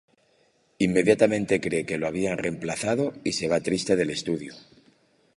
Inmediatamente cree que lo habían reemplazado y se va triste del estudio.